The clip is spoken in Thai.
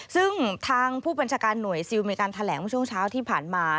ซึ่งทางผู้บัญชาการหน่วยซิลมีการแถลงเมื่อช่วงเช้าที่ผ่านมา